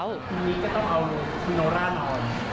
นี่ก็ต้องเอาคุณโนร่านอน